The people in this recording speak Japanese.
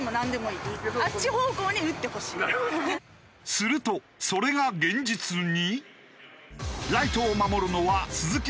するとそれが現実に。